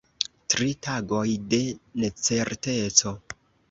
Tri tagoj de necerteco.